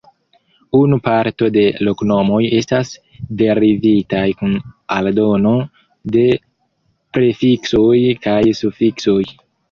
Unu parto de loknomoj estas derivitaj kun aldono de prefiksoj kaj sufiksoj.